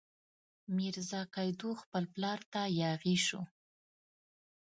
میرزا قیدو خپل پلار ته یاغي شو.